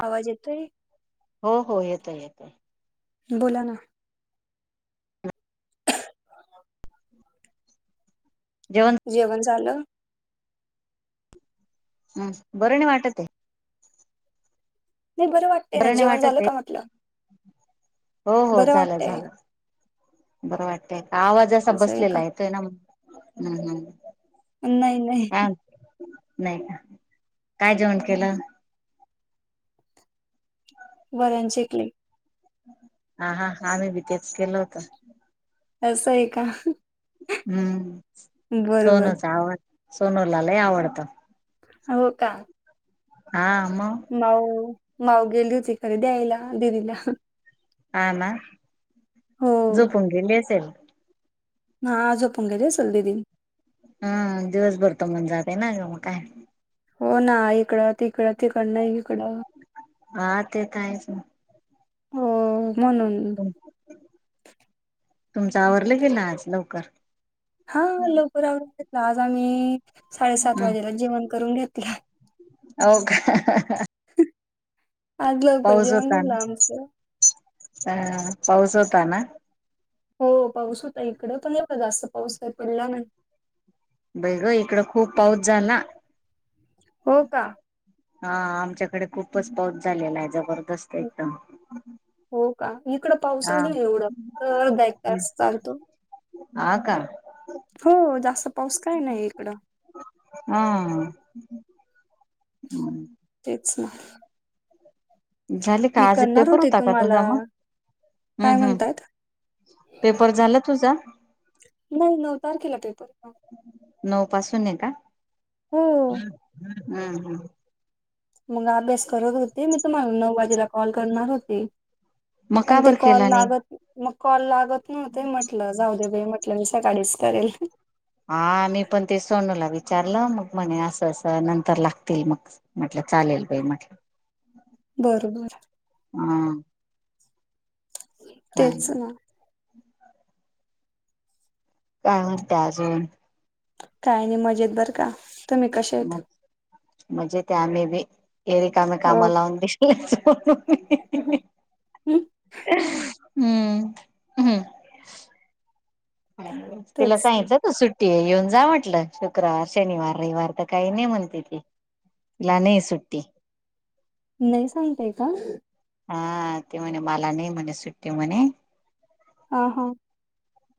पावा जेतोय ेत येत बोला ना जेवण झालं हम् बरणी वाटते नाही बरं वाटत ना नाही जेवण वाटत झालं आहे का म्हटलं हो हो बरं झालं वाटतय झालं बरं वाटतय का आवाज असा असं का बसलेला आहेेतो आहे ना हम् हम् नाही नाही नाही का काय जेवण केलं वरण शिंकले हा हाा आम्ही बी तेच केलं होत असं आहे का हम्म बरोबर सोनूच आवड सोनूला लय आवडत हो का हा मग माऊ माऊ गेल दुझी खर द्यायला दिदीला आम हो झोपुंगी बेसेल हा आजो आपण घले सलवे दिन हम् दिवसभर त म्हण जाते ना म काय हो ना इकडं तिकडं तिकड नाही इकडं हा ते तर आहेच ना हो म्हणून तुमचं आवरलं गेलं आज लवकर हा लोककरहूनेत राज आम्ही साडेसात हं वाजेला जेवण करून घेतला हो का आज लवकर जेवण कलं आमचं ह पाऊस होता ना हो पाऊस होता इकड पणव जास्त पाऊस आहे पडला नाही बै ग इकडं खूप पाऊस झाला हो का हा आमच्याकडे खूपच पाऊस झालेला आहे जबर हो का इकड पावसा हा एवडं तर द एक तास चालतो ह का हो जास्त पाऊस काय नाही इकडं हा तेचछा झाले का मी आज करणार पेपर होते होता का तुम्हाला तुझा मग काय हम्म हम्म म्हणतयात पेपर झाला तुझा नाही नऊ तारखेला ते तर नऊ पासून आहे का हम् ह मग अभ्यास करत होते मी तुम्हाला नऊ वाजेला कॉल करणार होते मग का पण ते बर कॉल केला नाही लागत मग कॉल लागत नव्हते म्हटलं जाऊदबाई म्हट कल्या म सकाळीच करेल हा मी पण ते सोनूला विचारलं मग म्हणे असं असं नंतर लागतील मग म्हटलं चालेल काई म्हटलं बरोबर हम काय तेच नाही ना का त्याज काय नाही मजेत बरं का तुम्ही कशे आहेत? म मजेतेत आमही बी एरिकामे कामा लावून दिसले ह् ह हम् हम्म हम्म तिला तेच सांगच त सुट ते येऊन जा म्हटलं शुक्रवार शनिवार रविवार तर काही नाही म्हणते ती ला नाही सु्टी नाही सांगतेय का हा ते म्हणे मला नाही म्हणे सुट्टी म्हणे हा हा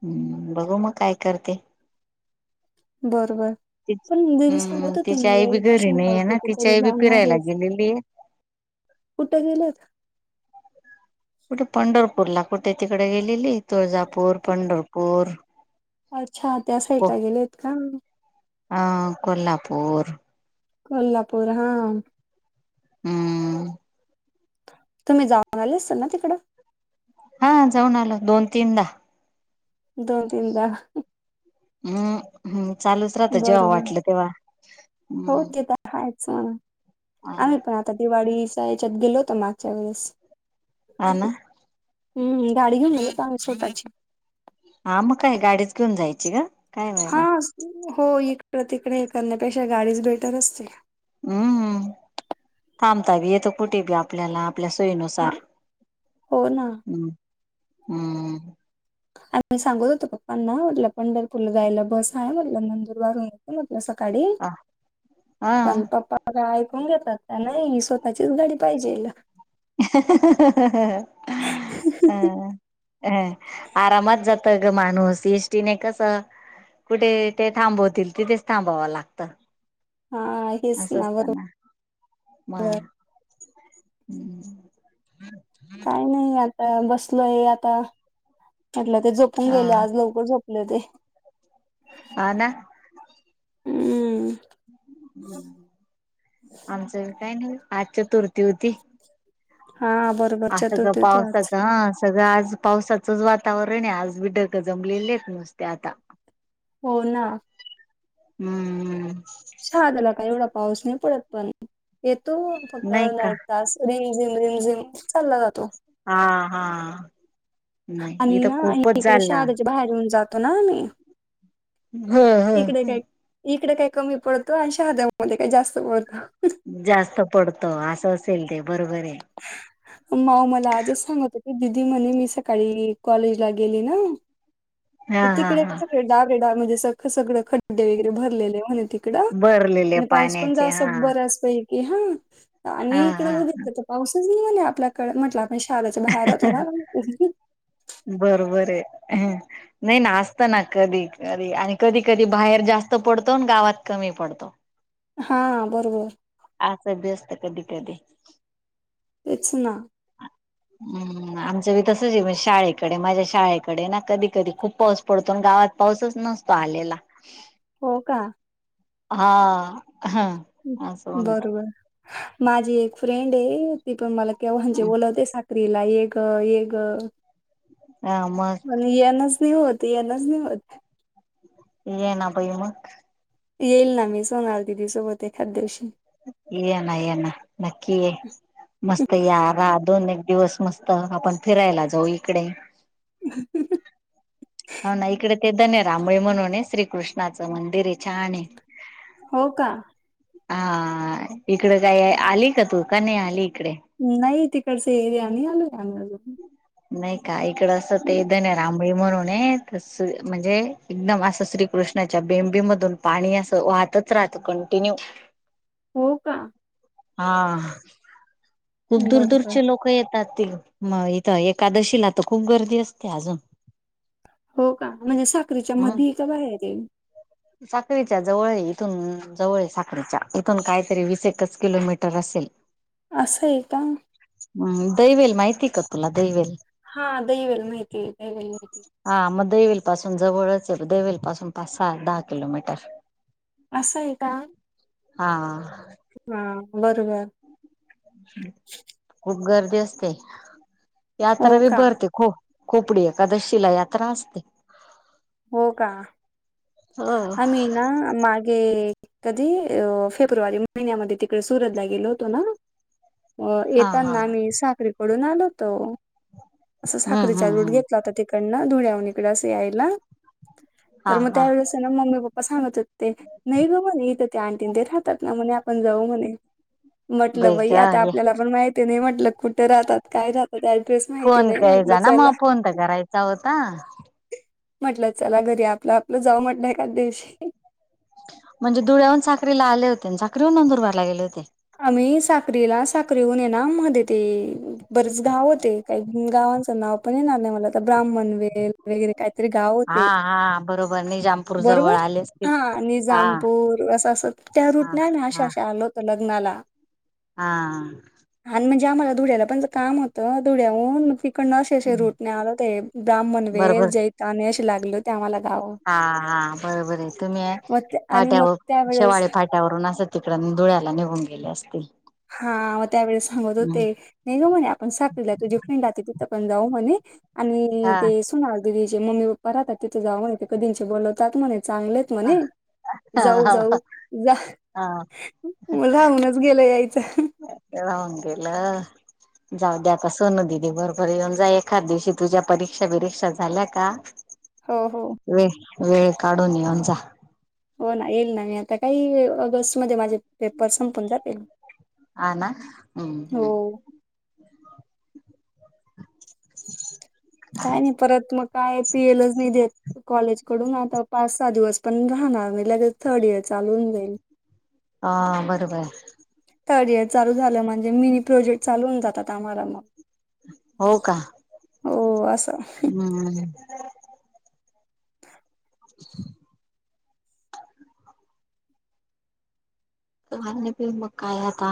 हम्म बघू मग काय करते बरोबर पण जरी हम्म सांगत हो तिची तुम्ही आई बी घरी रहिवाषन नाही घल आहे ना तिची कुठेतरी आई बी जाणार फिरायला आहे गेलेली कुठे गेलेत कुठे पंढरपूर ला कुठे तिकडे गेलेली तुळजापूर पंढरपूर अच्छा त्या साईकाला गेलेत का हह कोल्हापूर कोल्हापूर हा हम्म तुम्ही जाऊन आले असता ना तिकडं हा जाऊन आलो दोन तीनदा दोन तीनदा हम्म हम्म चालूच राहतं जेव्हा बरोबर वाटलं तेव्हा हम्म स आम्ही पण आता दिवाळीचा याच्यात गेलो होत मागच्या वेळेस हना हम्म गाडी घेऊन गे स्वतःची हा मग काय गाडीच घेऊन जायची ग काय बाय हा बा हो इकड तिकडे करण्यापेक्षा गाडीच बेटर असते हम्म हम्म थांबताबी येतो कुठे बी आपल्याला आपल्यास सोय हा नुसार हो ना हम् हम् आणि मी सांगत होत पप्पांना म्हटलं पंढरपूर जायला बस आहे म्हटलं नंदुरबार वारून य सकाळी हा पण पप्पा गय घेतात नाही स्वतःचीच गाडी पाहिजे हिला हम ह आरामात जात ग माणूस एसष्टीने कसे कुठे ते थांबवतील तिथेच थांबावावं लागतं हा हेच असं ना बरोबर असतना हम्म काही नाही आता बसलोय आता म्हटलं ते झोपून गेले आज लवकर झोपले ते ह ना हम् आमचं काय नाही आजच्या चतुर्थी होती हा बरोबर अस चतुर्थी होती आज पावसाच ह सगळं आज पावसाचंच वातावरण आहे आज बिडरक जमलेलेच नुस्ते आता हो ना हम्मम् हा त्याला काही एवढा पाऊस नाही पडत पण येतो फक्त नाही का एक तास रिमझिम रिमझिम चालला ज तो हा हा नाही आणि इथं ना खूपच इकडे श झाला आधच्या बाहेर येऊन जातो ना आमही हो हो हो इकडे काही कमी पडतो आणि शहाद्या मधे काही जास्त पडतं जास्त पडत असं असेल ते बरोबर आहे माऊ मला आजच सांगत हो की दिदी म्हणे मी सकाळी कॉलेजला गेली ना हा हा तिकडे का हा सगळे डावेे ळे म्हणे सगं खड्डे वगैरे भरलेले म्हणे तिकडं भरलेले आणि पाऊस पण पाण्याचे जास्त हा असतो बर्याच पै हा आणि हा इकडे हा बघितलं तर पाऊसच नि आपल्याकडे म्हटलं म्हणे शाळेच्या बाहेर होतो ना उ हम्म नाही ना असत ना कधी कधी आणि कधी कधी बाहेर जास्त पडतो गावात कमी पडतो हा बरोबर असं व व्यस्त कधी कधी तेच ना आमचं वी तसंच आहे म्हजे शाळेकडे माझ्या शाळेकडे ना कधी कधी खूप पाऊस पडतो गावात पाऊस नसतो आलेला हो का हा हम सग जा बरोबर माझी एक फ्रेंड आहे ती पण मला केव्हा म्हणजे जात बोलावते स्त्रीला एक एक ग हा मग पण येनच नाही होत ते यांनाच नाही होत ये ना बाई मग येईल ना मी सोनल दिदी व सोबते एखाद्या दिवशी येणा येन नक्की या मस्त राह दोन एक दिवस मस्त आपण फिरायला जाऊ इकडे ह होा ना इकडे ते धन रामळी म्हणून ये श्रीकृष्णाचं मंदिर हे छान आहे हो का हा इकड काय आली का तू का नाही आली इकडे नाही तिकडच एरिया नि आलोय अजून नाही का इकडे असं तेद नाही रांबळी म्हणून आहे त म्हणजे एकदम असं श्रीकृष्ण कृष्णाच्या बेंबी मधून पाणी असे वाहतच राहत कंटिन्यू हो का हा खूप दूर बरोबर दूरचे लोक येतात ते म. तर एकादशीला तर खूप गर्दी असते अजून हो का. म्हणजे साखरीच्या मध्ये का बाहेर ये? साखळीच्या जवळ इथून जवळ साखळीच्या इथून काहीतरी वीस एकच किलोमीटर असत. सल [inaudible] असं आहे का? हम्म दैवेल माहिती का तुला दैवेल? हा दयवील माहिती दयवील हा मग देवील पासून जवळच, देवील पासून पाच, सहा, दहा, किलोमीटर. असं आहे का? हा. हा बरोबर खूप गर्दी असते. यात्रा हो बी का भरते खूप खोपडी एकादशीला यात्रा असते.? हो का? हो आम्ही ना मागे कधी अ फेब्रुवारी महिन्यामध्ये, तिकडे सुरतला गेलो होतो ना? अ हा हा येताना आम्ही साखरीकडून आलो होतो. असं हम्म साखरीचा हम्म रूट हम्म घेतला होता. तिकडनं धुळ्याह इकड असं यायला. हा. हा त्यावेळेसं ना मम्मी पप्पा सांगत होते. ते नाही ग म ना इथं ते आंटीं ते राहतात ना म्हणे? पण जाऊ म्हणे, बई म्हटलं बाई आता ग आपल्याला पण माहिती नाही म्हटलं कुठे राहतात काय राहतात. ऍड्रेस माहिती फोन नाही, म्हटलं करायचा ना चला मग फोन तर करायचा होता. म्हटलं चला घरी, आपलं, आपलं जाव म्हटलंय का दिवशी. म्हणजे धुळ्याहून साखरी ला आले होते. साखरीहून नंदुरबारला गेले होते? आम्ही साखरीला साखरी होऊन ये ना मध्ये ते बरेच, गाव होते काही गाव गावांचं नाव पण येणार नाही, मला ब्रा्मण वे वगैर काहीतरी गाव हा होते? हा बरोबर निजामपूर जवळ बरोबर आले असतील हा हा निजामपूर अस. त्या हा रूटने अशा हा असे आल होतं लग्नाला. हा. आणि म्हणजे आम्हाला धुळ्याला पण काम होतं. धुळ्याहून मग फ कडन असे असे रूटणे आलं होते. ब्राह्मण वेल बरोबर जैताने असे लागले होते आम्हाला गावं. हा हा बरोबर आहे. तुम्ही मग ते आणि मग फाट्यावर त्यावेळेस शिवाळे फाट्यावरून असा तिकड धुळ्याला निघून गेले असतील. हा म त्यावेळेस सांगत होते नाही ग म्हणे आपण सातवीला तुझी फ्रेंड आ त, पण जाऊ म्हणे, आणि हा ते सुनाल दीदीचे मम्मी पप्पा राहतात. तिथं जावं म्हणे ते कधींचे बोलवतात म्हणे, चांगलेत म्हणे जाऊ, जाऊ, हा जा हा मग राहूनच गेलं याय- राहून गेल. जाऊ दे आता सोनू दिदी बरोबर येऊन जा, एखाद दिवशी तुझ्या परीक्षा बिरीक्षा झाल्या का? हो हो वे वेळ काढून येऊन जा, हो ना येईल ना मी, आता काही ऑगस्ट मध्ये माझे पेपर संपून जातील. हा ना हम्म, हम्म हो [inaudible] काय नाही परत मग, काय पी एलच नाही देत कॉलेज कडून, आता पाच सहा दिवस पण राहणार नाही. ल थर्ड इयर च चालून देईल? हा बरोबर. थड इयर चालू झालं म्हणजे, मिनी प्रोजेक्ट चालूूनन जात आम्हाला मग, हो का? हो अस. हम्म! [inaudible] मग कायता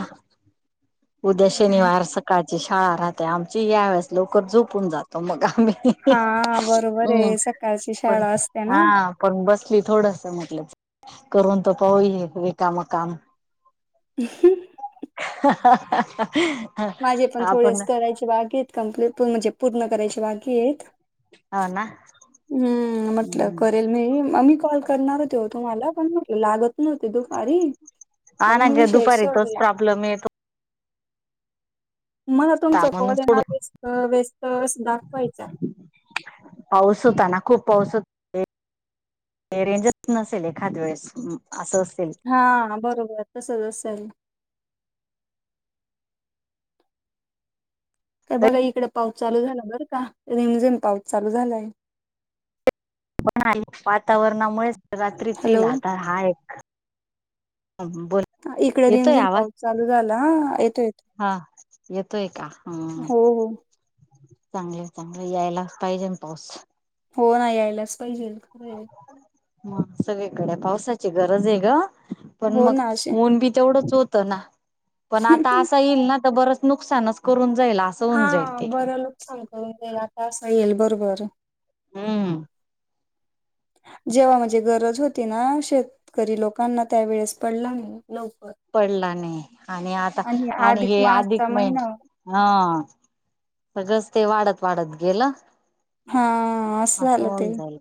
उद्या काय शनिवार सकाट [unintelligible] शाळा राहते आमची, या वेळेस लवकर झोपून जातो, मग आम्ही हा बरोबर हम्, आहे सकाळची पण शाळा असते ना. हा पण बसली थोडस म्हटलं करून तर पाऊ, रिकाम काम उम्म हम्म. [unintelligible] माझे पण आपण थोडेस करायचे बाकी आहेत कंप्लीट म्हणजे पूर्ण करायचे बाकीयेत. हो ना हम्म म्हटलं हम्म करेल मी, म मी कॉल करणार होते व तुम्हाला पण म्हट लागत नव्हते दुपारी. हा मग ना मी ग विषयच दुपारी तोच सोडला. प्रॉब्लेम येतो मला होता तुमचा कॉल म्हणून ये ना सोडून व्यस्त व्यस्तस दाखवायचा. पाऊस होता ना. पावसात ते रेंजच् नसेल एखाद वेळेस. असं असेल हा बरोबर तसंच असेल. का बघा तरी इकडे पाऊस चालू झाला बर का, रिमझिम पाऊस चालू झालाय. पण वातावरणामुळेच रात्रीच हॅलो ईल आता, हा एक आंबोल इकडे रिमजिम पाऊस चालू झाला येतो येतो. हा येतोय का? हं. हो हो. चांगले चांगले यायला पाहिजेन पाऊस. हो ना यायलाच पाहिजेल खरंय. मग सगळीकडे पावसाची गरज आहे गं पण हो मग ना असे ऊन बी तेवढंच होत तना पण आता अस येईल ना तर बरच नुकसानच करून जाईल असं हा होऊन जाईल ते बर लोक सांग [unintelligible] आता असं येईल, बरोबर. हम्म. जेव्हा म्हणजे गरज होती ना शेतकरी लोकांना, त्यावेेळेस पडला नाही. लवकर. पडला नाही, आणि आता आणि हे अधिक म्हहि हा सगळंच ते वाढत वाढत गेलं. हा असं झालं ते. होऊन जाईल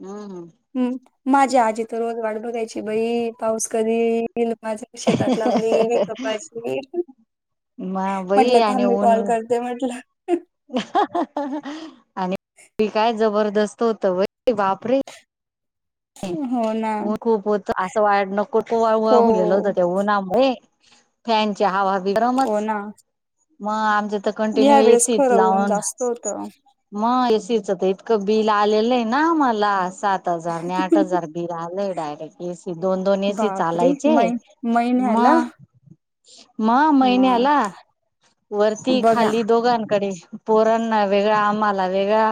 हम्म हम्म. हम्म माझी आजी तर रोज वाट बघायची बाई, पाऊस कधी लेली माझी शेतात लावली गेली कपाशी मग बाई म्हटलं आणि थांबी कॉल ऊन करते म्हटलं. आणि काय जबरदस्त होतं, वय बापरे. हो ना ऊन खूप होतं असं वाट नको हो [unintelligible] गेलं होत ते ऊनामुळे. फॅनच्या हवा बी गरमच हो ना मग आमच त कंटिन्यू या वेळेस एसीत खरं ऊन लावन जास्त होतं. म तीचं ते इतकं बिल आलेलं आहे ना मला, सात हजार आणि आठ हजार बिल आलंय. डायरेक्ट एसी दोन दोन एसी बापरे चालायचे. मै महिन्याला मग? म महिन्याला मग वरती बघा खाली दोघांकडे. पोरांना वेगळा आम्हाला वेगळा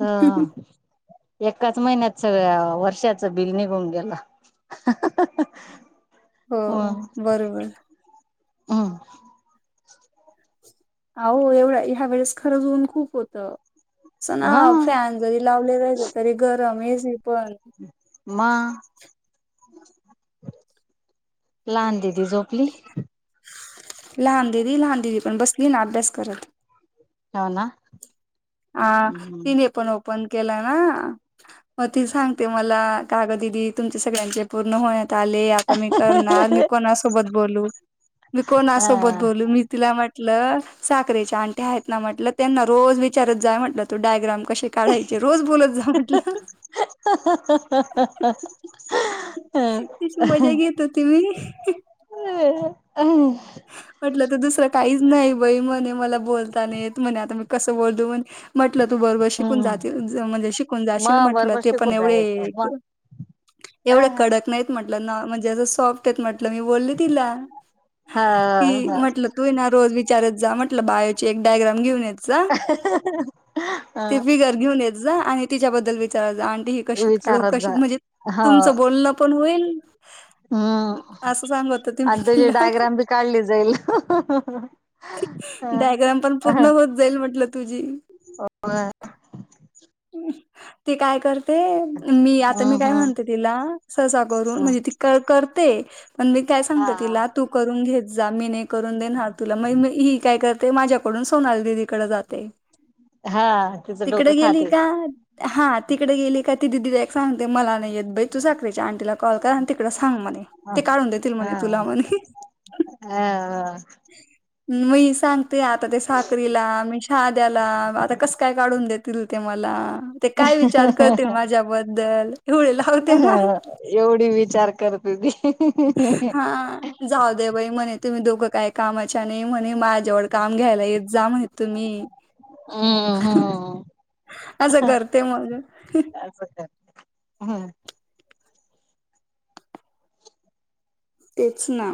अ एकाच महिन्यात सगळ्या वर्षाचं बिल निघून गेलं. हो बरोबर. हम्म. आवो, एवढा ह्या वेळेस खरंच ऊन खूप होतं. असं ना, हा फॅन जरी लावले जायचं तरी गरम हे म? लहान दिदी झोपली? लहान दिदी लहान दिदी पण बसली ना अभ्यास करत. हा ना. आ.... तिने पण ओपन केला ना! मग ती सांगते मला, 'का गं दिदी, तुमचे सगळ्यांचे पूर्ण होय आले आता मी करणार मी कोणासोबत बोलू? मी कोणा सोबत ह बोलू? मी तिला टलं साखरेच्या ऑंटी आहेत ना, म्हटलं त्यांना रोज विचारत जाय म्हटलं तो डायग्राम कसे काढायचे, रोज बोलत जा म्हटलं तिची मजा घेत होती मी, हम म्हटलं तर दुसरं काहीच नाही बाई म्हणे मला बोलताना येत म्हणे आता मी कसं बोलतो म्हट म्हटलं तू बरोबर शिकून जातील म्हणजे शिकून जाशील मग म्हटलं बरोबर ते पण शिकून एवढे जायचं एवढं मग कडक नाहीत म्हटलं ना, म्हणजे असं सॉफ्ट आहेत म्हटलं मी बोलली तिला. हा कि हा म्हटलं तू ना रोज विचारत जा म्हटलं बाहेचे एक डायग्राम घेऊन येत. झ हा ते फी गर् घ होन [inaudible] जा आणि तिच्याबद्दल विचारा, 'ऑंटी ही कशी काढू? ' विचारत जा कशी म्हणजे हा तुमचं बोलणं पण होईल. हम्म असं सांगत होते मी आणि तुझी तिला. डायग्राम बी काढली जाईल. हम्म डायग्राम पण पूर्ण होत जाईल म्हटलं तुझी. ते काय कर ते मी आता मी काय हम्म म्हणते तिला ससा करून म्हणजे ती कर करते. पण मी काय हा सांगत तिला तू करून घेत जा मी नाही करून देणार तुला मग मी ही काय कर ते माझ्याकडून सोनाली दिदीकडे जाते. हा तिचं डोकं तिकडे गेली खाते. का हा तिकडे गेली का ती दिदी त्याक सांगते मला नाही येत बाई तू साखरायच्या आणंटीला कॉल करा आणि तिकड सांग म्हणे ह ते काढून देतील म्हणे हा तुला म्हणे, ह ् म सांगत ते आता ते साखरीला मी हाद्याला आता कसं काय काढून देतील ते मला? ते काय विचार करतील माझ्याबद्दल? एवढं लावते ना- एवढी विचार करते ती हा जाऊ दे बाई म्हणे, तुम्ही दोघं काय कामाच्या नाही म्हणे मा जेव काम घ्यायला येत जा म्हण तुम्ही हम्म हम्म असं करते मग. असं कर हम्म तेच ना.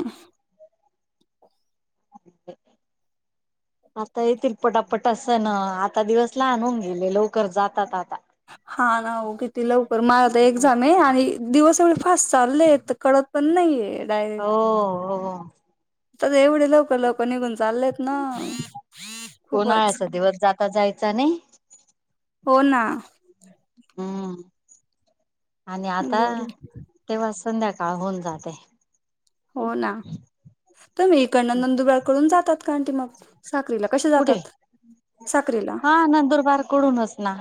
आता येतील पटापट अस ना आता दिवस लहान होऊन गेले लवकर जातात. आता हा ना हो किती लवकर मला आता एक्झाम आहे आणि दिवस ए आस चाललेत कळत पण नाहीये. हो हो आ एवढे लवकर लवकर निघून चाललेत ना खूपच. ता जायचं नाही. हो ना. हम्म आणि आता बर तेव्हा संध्याकाळ होऊन जाते. हो ना तुम्ही इकडनं नंदुबार कडून जातात का? ऑंटी मग साखरीला कसे कुठे जातात साखरीेला हा नंदुरबार कडूनच ना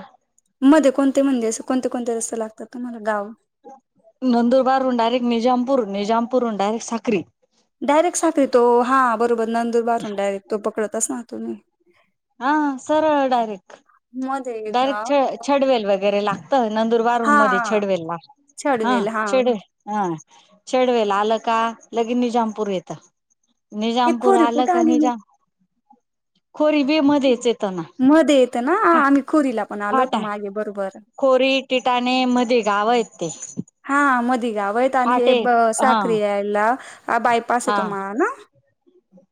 मध्ये कोणते म्हणजे असे कोणते कोणते रस्ते लागतात तुम्हाला गाव? नंदुरबार हून ायरेक्ट निजामपूर निजामपूर हून डयरेक्ट साकरी.. डायरेक्ट साखरी तो हा बरोबर नंदूर बारून डायरेक्ट तो पकडतच ना तुम्ही. हा सरळ डायरेक्ट मध्ये एक डायरेक्ट गाव छ आहे बघ. छडवेल वगैरे ला.. नंदुरबार हा रूम मध्ये चेडवेलला.. हह छडवेल हा चडवे हह चडवे लल का. लगे निजामपूर येत हे निजामपूर खोरी आलं कुठं का आली मग? निजाम.. खोरीबे मध्येच येतना. मध्ये येतं ना आम्ही खोरीला पण आलो होतो फाटा मागे बरोबर. खोरी टिटाणे मध्ये गाव आहेत ते. हा मधी गाव येत आणि हे फाटे हा साखरी यायला.. हा बायपास आहे हा तुम्हाला ना.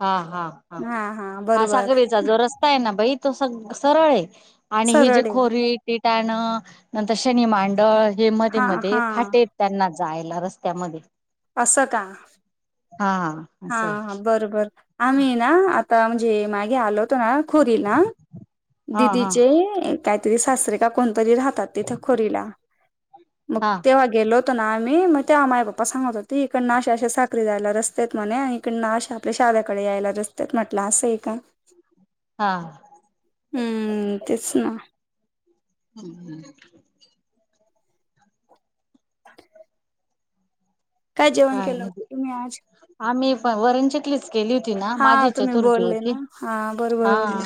हा हा हा हा साखरीेचा जो रस्ता आहे ना. बाई तो सग सरळ आहे. आणि हे जे सरळ आहे खोरी.. त्यानं नंतर शनी मांडळ हे मध्ये हा मध्ये हा. फाटेत त्यांना.. जायला रस्त्यामध्ये.. असं का. हा असं आहे हा बरोबर आम्ही ना आता म्हणजे मागे आलो होतो ना.. खरी ना हा हा दिदीचे काहीतरी सासरे का कोणतरी राह.. तथ खोला मग हा तेव्हा गेलो. आम्ही मग त्या माई बाप्पा सांगत होते. इकडन अे अश साखरी जायला रस्ते.. म्हणे इकडशा आपल्या शाद्याकडे यायला रसतात म्हटलं असं आहे का. हा. हम्म तेच ना. हम ह. जेवण काय केलं मग नाही तुम्ही आज आम्ही प वरणच्यातलीच. केली होती ना हा माझी तुम्ही चतुर्थी बोलले होती. ना हा बरोबर हा बरोबर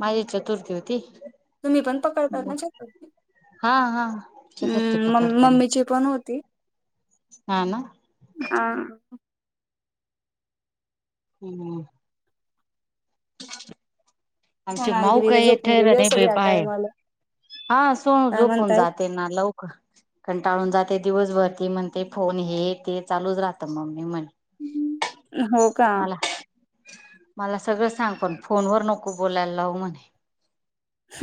माझी चत.. तुरतीेवती. तुम्ही पण पकडता ना शक.. हा हा चतुर्थी हम् म पकडताना मम्मीची पण होती. हा ना. हा हम्म. आमचे सोनाली माऊ दिदी तर काय झोपून थेर गेली आणि असेल बे या बाय.. टायमाला हा सो काय झोपून म्हणतायत जाते ना लवकर कंटाळून जाते. ते दिवसभरती म्हणते फोन हे ते चालूच राहतं मम्मी म्हण. हो का. मला सगळं सांग पण फोन वर नको बोलायला लावू म्हणे. ह.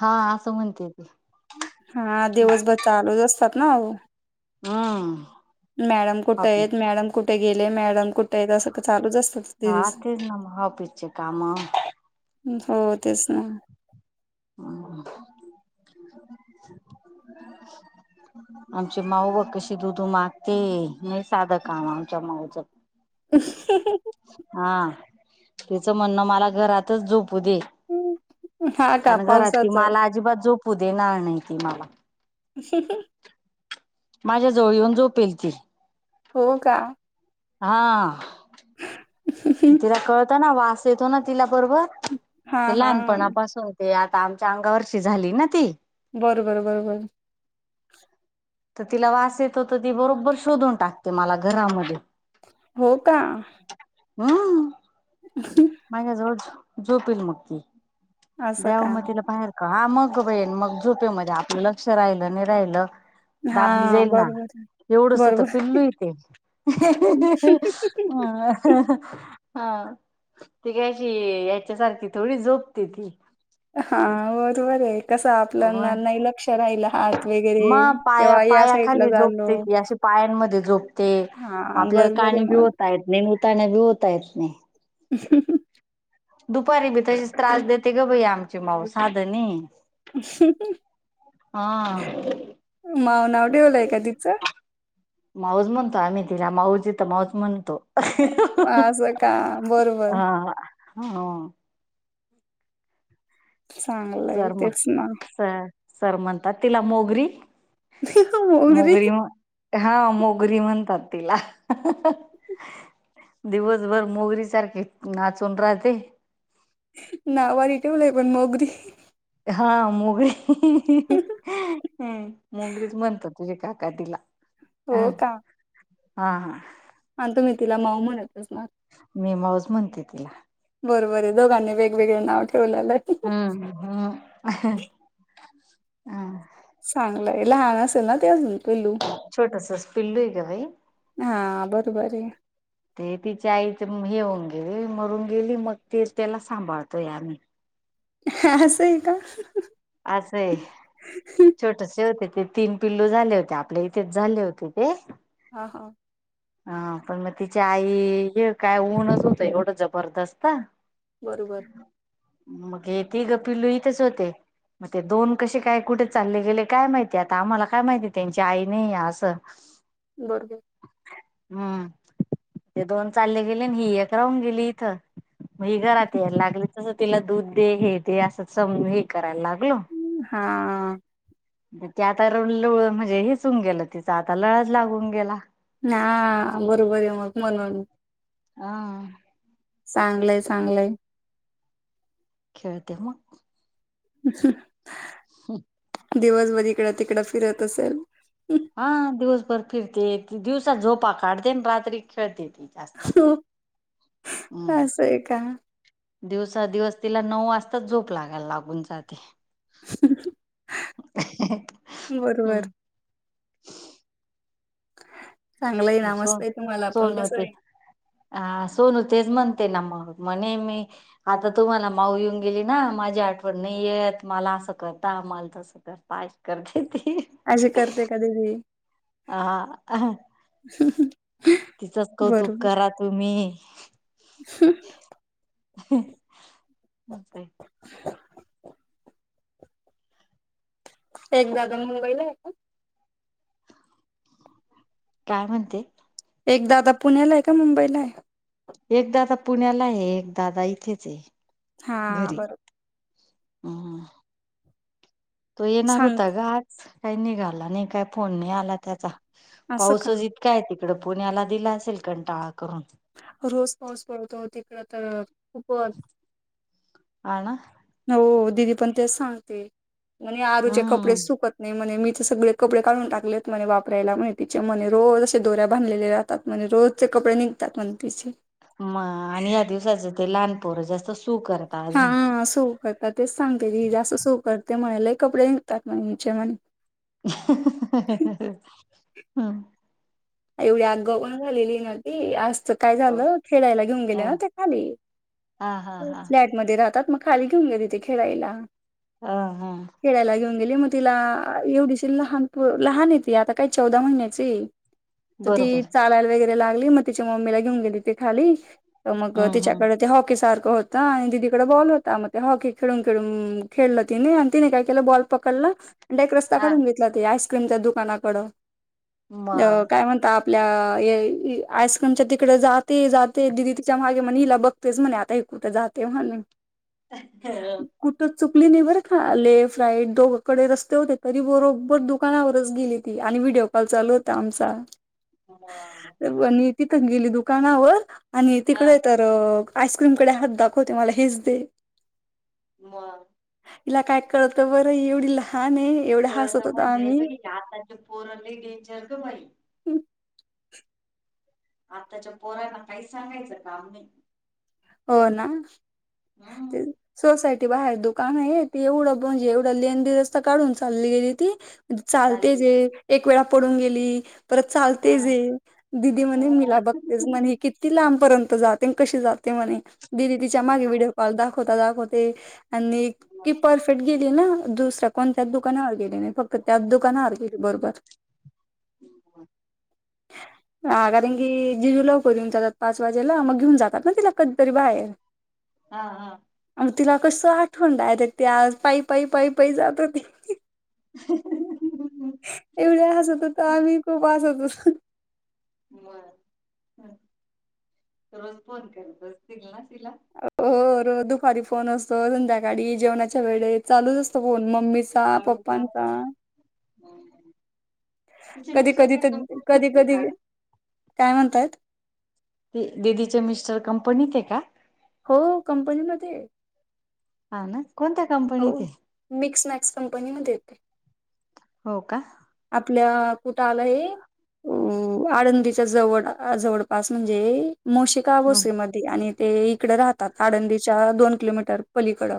हा आ स म्हतेेते. हा दिवसभर चालूच असतात ना. हम. मॅडम कुठे आहेत मॅडम कुठे गेले मॅडम कुठे आहेत असं चालूच असत. ह तेर् ना महा पीच कामा. हो तेच ना हम. [unintelligible] ह.. आमची माऊ ब कशी दुधू मागते नाही साधं काम आमच्या माऊचं. अ.. तचं म्हणणं मला घरातच झोपू दे. हा का कार घरात त पावसाच मला अजिबात झोपू देणार नाही त मला. ह.. माझ्या जवळ येऊन झोपेल ती. हो का हा तिला कळत ना वास येतो ना तिला बरोबर हा ते हा लहानपणापास होते आ आता आमच्या अंगा वर्षी झाली ना ती बरोबर बरोबर तर तिला वास येतो तर ती बरोबर शोधून टाकते मला घरामध्ये हो का हम माझ्याजवळ झोपील मग ती असं द्याव का मग तिला बाहेर का हा मग ग बईण मग झोपेमध्येध्ये आपलं लक्ष राहिलं नाही राहिलं. हा बरोबर आहे. एवढंच आता बरोबर पिल्लू य तेे अ हा ती कशी याच्यासारखी थोडी झोपते ती हा बरोबर आहे कस आपल्याना नाही लक्ष राहिल. हात वगैरे म पाया किंवा या पाया साईडला खाली झालो जोपते ती अशी पायांमध्ये झोपते. हा आपल्याला बरोबर आहे काणी बी मग होत येत नाही नताण्या बी होत येत नाही. ह. दुपारी बी तसेच त्रास देते ग ब आमची माऊ साधनी [unintelligible] हा माव नाव ठेवलंय का तिचं माऊस म्हणतो आम्ही तिला माऊस यथो माऊस म्हणतो. असं का बरोबर हा हा. चांगलंय सर म तेच ना. सर सर म्हणतात तिला मोगरी मोगरी म हा मोगरी म्हणतात तिला दिवसभर मोगरी सारखे नाचून राहते. ना वारी ठेवलंय पण मोगरी हा मोगरी मोगरीच म्हणतात. सुज का काटला हो का? हा हा. ह तुम्ही तिला मऊ म्हण येतच म मी माऊज म्हणते तिला बरोबर आहे दोांनी वेगवेग नाव ठेव. हम् हम हम. चांगलंय लहान असेल ना ते अजून पेलू छोटसच पिल्लू आहे ग बाई हा बरोबर आहे. ते तिच्या आईच हेऊन गेली मरून गेली मग ती त्याला सांभाळतोय आम्ही असं आहे का? आज आहे छोटसे होते. ते तीन पिल्लू झाले होते आपल्या इथेच झाले होते ते. हा हा. हा पण मग तिची आई काय ऊनच होत एवढं जबरदस्त बरोबर. मगे ती गपी लोहितच होते. मग ते दोन कसे काय कुठे चालले गेले काय माहितीय आता आम्हाला काय माहिती त्यांची आई नाही या असं. बरबर. हम्म ते दोन चालले गेले आणि ही एक राहून गेली इथं. मग घरात यायला लागले तसं तिला दूध दे हे दे असंम हे करायला लाग. हा. ते आता रळ म्हणजे हिसून गेलं तिचा आता लळज लागून गेला. ह बरोबर आहे मग म्हणून हा. चांगलंय चांगलंय. खेळते मग अच्छा. हो. दिवसभर इकडं तिकडं फिरत असेल. हा दिवसभर फिरते दिवसात झोपा काढते रात्री खेळते. जास्त हम्म असं आहे का? दिवसा दिवस तिला नऊ वाजताच झोप लागाल लागून जाते. हम्म बरोबर. चांगलं आहे ना सो मस्त आहे तुम्हाला पण सोनू कसं ते आहे अ सोनू तेच म्हणते ना मग! मणे मी आता तुम्हाला माऊ येऊन गेली ना माझी आठवणणी येत मला असं कर ता आम्हाला तसं करता अशी करते ती. अशी करते का दीदी? हा तिचंच कौतुक बरोबर करा तुम्ही! [unintelligible] मग काय! [unintelligible] एक दादा मुंबईला आहे का? काय म्हणते? एक दादा पुण्याला आहे का मुंबईला आहे? एक दादा पुण्याला आहे एकदाादा इथेच आहे. हा बरोबर. हम. तो येणार होता सांगते ग आज काही निघाला नाही काय फोन नाही आला त्याचा! असं का? पाऊसच इतका आहे तिकडं पुण्याला दिला असेल कंटाळा करून. रोज पाऊस पडतो तिकड तर. खूपच हा ना? हो दिदी पण ते सांगते म्हने आरूचे कपडे हम्म सुकत नाही म्हने मी सगळे कपडे काढून टाकलेत म्हणे वापरायला म्हने तिचे म्हणे रोज अे दोऱ्या बांधलेले राहात म्हणे रोज कपडे निघतात म्हणते तिचे. म आणि या दिवसाचं ते लहानपोर जास्त सु करता अजून, हा सू करतात तेच सांगे जास्ं सु करते म्हणाले लय कपडे निघतात मनीचे म्हणे. हम एवढी आगाव पण झालेली ना ती आज काय झालं खेळायला घेऊन अ गेले ना ते खाली हा हा हा फ्लॅट मध्ये राहतात मग खाली घेऊन गेले ते खेळायला. ह हा! खेळायला घेऊन गेली मग तिला एवढीशी लहान लहान येते आता काय चौदा महिन्याची आहे. तर ती बरोबर चालायला वगैरे लागली मग तिच्या मम्मीला घेऊन गेली ती खाली मग हम्म हम्म तिच्याकडे ते हॉकी सारखं होता आणि दीदीकड बॉल होता मग ते हॉकी खेळून खेळून खेळलं तिने आणि तिने काय केलं बॉल पकडला, आणि डायरेक्ट रस्ता हा कडून घेतला ते आईस्क्रीमच्या दुकानाकडं. मग! आता आपल्या आईस्क्रीमच्या तिकडे जाते जाते दिदी तिच्या मागे म्हणे हिला बघतेच म्हणे आता कुठे जाते म्हनून! [unintelligible] चुकली नाही बर का, लेफ्ट, राईट कडे रस्ते होते तरी बरोबर दुकानावरच गेली ती, आणि व्हिडिओ कॉल चालू होता आमचा. [unintelligible] आणि तिथं गेली दुकानावर आणि हा तिकडे हा तर आईस्क्रीमकडे हात दाखवते मला हेच दे! म! तीला काय कळत बरं एवढी लहान आहे. एवढं कळत हसत होतो म्हणजे आम्ही बाई आताचे पोरले डेंचर ग बाई! आत्ताच्या पोरांना काही सांगायचं का आम्ही हो ना सोसायटी बाहेर दुकान आहे ते एवढं म्हणजे एवढा लेंडी रस्ता काढून चालली गेली ती चालते चालले जे एक वेळा पडून गेली परत चालतेच हा ये दिदी म्हणे हा मला बघतेच म्हणे किती लांबपर्यंत जाते कशी जात ते म्हणे दिदी तिच्या मागे व्हिडिओ कॉल दाखवता दाखवते आणि की परफेक्ट गेली ना दुसऱ्या कोणत्याच दुकानावर गेले नाही फक्त त्याच दुकानावर गेले बरोबर हम् ह कारण की जिजू लवकर येऊन जातात पाच वाजेला मग घेऊन जातात ना तिला कधतरी बाहेर हा हा मग तिला कस आठवण द य त आज पाईी पाईी पाईी पाई जात हो त ह एवढे हसत होत आम्ही खूप हसत होतो बर रोज फोन कर बसतील ना तला हो दुपारी फोन असत संध्याकाळी जेवणाच्या वेळे चालूच असतो फोन मग मम्मीचा पप्पांचा हम् कधी कधी कधी कधी का ग? काय म्हणताय ते ददीच मिस्टर कंपनीत आहे का हो कंपनी म हा ना कोणत्या हो कंपनीत आहे? मिक्स मॅक्स कंपनी मध्ये येते हो का आपल्या कुठ आला हे अ आळंदीच्या जवळ जवळपास म्हणजे मोशिकाबू हम्म श्रीमती आणि ते इकडे राहतात आळंदीच्या दोन किलोमीटर पलीकडं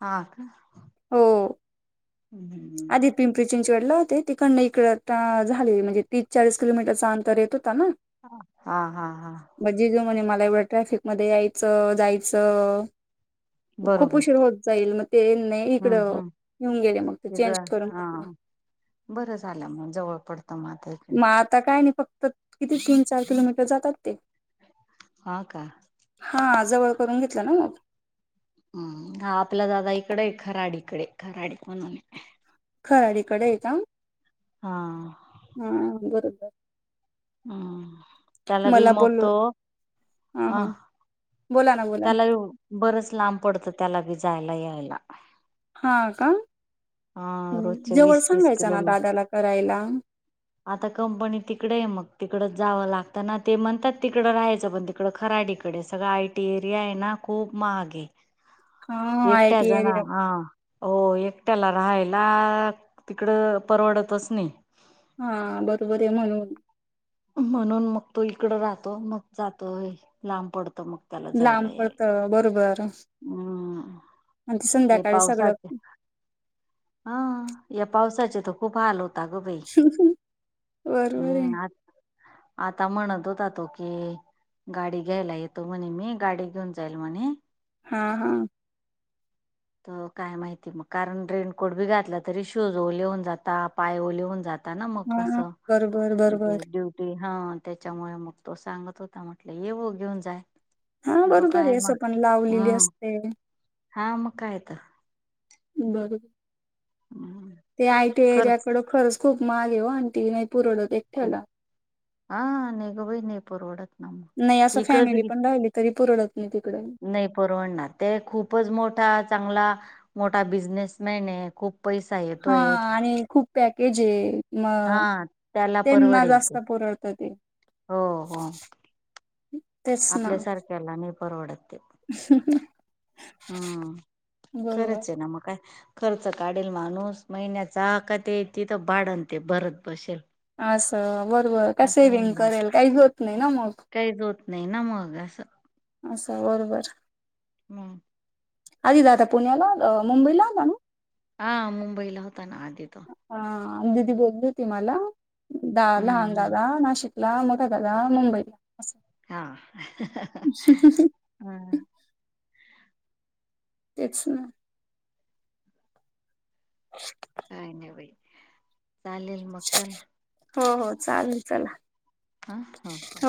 हा का हम्म आ पिंप ंडला होते तिकडन इकड झाले म्हणजे तीस चाळीस किलोमीटर चा अंतर येतो हा हा हा मग जीजू म्हणे मला एवढं ट्रॅफिक मध्ये यायचं जायचं खूप बरोबर उशीर होत जाईल मग ते नाही हम्म इकडं हम्म येऊन गेले मग ते चेंज करून हा घेतलं बरं झालं मग जवळ पडत मग आता काय नाही फक्त किती तीन चार किलोमीटर जातात ते हा का हा जवळ करून घेतलं ना मग हम्म आपल्या दादा इकडे खराडीकडे खराडी म्हणून आहे खर तिकडे येत हा हा बरोबर हम् त्याला भी मला बोललो मगतो हा हा अह बोला ना बोला ना त्यालाही हो बरंच लांब पडतं त्याला बी जायला यायला. हां का हा रोजचे जवळ वीस तीस सांगायचं किलो ना दादाला करायला. आता कंपनी तिकडे आहे मग तिकडच जावं लागतं ना, ते म्हणतात तिकडं राहायचं, पण तिकडं खराडीकडे सगळं आयटी एरिया आहे ना? खूप महाग आहे, हा एकट्या आयटी जण एरिया आं हो एकट्याला रहायला- तिकडं परवडतच नाही. हां बरोबर आहे म्हणून म्हणून मग तो इकडं राहतो, मग जातो ऐ लांब पडत लांब पडतं बरोबर हम्म आणि संध्याकाळी सगळं हां या पावसाचे तर खूप हाल होत. बरोबर आहे. हम्म आ आता म्हणत होता तो की, गाडी घ्यायला येतो म्हणे मी, गाडी घेऊन जाईल म्हणे. हां हां अं काय माहिती मग, कारण रेनकोट बी घातला तरी शूज ओले होऊन जाता, पाय ओले होऊन जात. हां ना मग हा कसं, बरोबर बरोबर ते ड्युटी हां त्याच्यामुळे मग तो सांगत होता म्हटलं, ये हो घेऊन जाय हां तो बरोबर काय आहे, मग सकाळी लावलेली हम्म असते. हा मग काय तर बरोबर, हम्म, ते आयटी खर्च एरीयाकडं खरंच खूप माल येवो आणती येत. खूप, हां नाही ग बाई, नाही परवडत. नाही असं इकडचं फॅमिली बी पण राहिली तरी पुरडत नाही तिकडे नाही परवडणार ते खूपच मोठा चांगला मोठा बिझनेसमॅन आहे. खूप पैसा हां येतोय आणि खूप पॅकेज आहे. मग हा त्याला त्यांना परवडेल ते जास्त परवडत ते. तेच ना आपल्या सारख्याला नाही परवडत. ते [unintelligible] हम्म बरोबर खरंच आहे ना, मग काय? खर्च काढेल माणूस महिन्याचा, का ते तिथं पाडन ते परत पैशे असं बरोबर, काय सेविंग जात करेल? काहीच होत नाही ना मग. अस [inaudible] असं बरोबर हम्म आधी दादा पुण्याला अं मुंबईला होता ना? हां मुंबईला होता ना आधी तो. हा दिदी बोलली होती मला, दा हम्म लहान हम्म. दादा नाशिक ला मोठा दादा मुंबईला असं हां हम्म तेच ना अस्स काय नाही बाई, चालेल मग चल. हो हो चालेल चला. हां हो हो